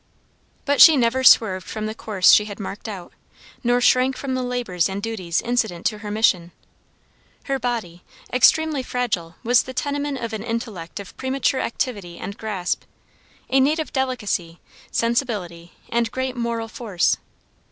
But she never swerved from the course she had marked out, nor shrank from the labors and duties incident to her mission. Her body, extremely fragile, was the tenement of an intellect of premature activity and grasp, a native delicacy, sensibility, and great moral force.